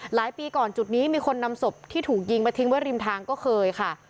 ปีก่อนจุดนี้มีคนนำศพที่ถูกยิงมาทิ้งไว้ริมทางก็เคยค่ะ